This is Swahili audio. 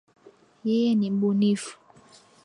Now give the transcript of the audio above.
Yeye ni mbunifu